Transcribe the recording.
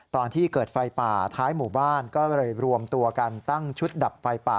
ตอนที่เกิดไฟป่าท้ายหมู่บ้านก็เลยรวมตัวกันตั้งชุดดับไฟป่า